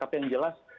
tapi yang jelas